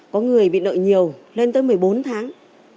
có người bị nợ nhiều lên tới một mươi bốn tháng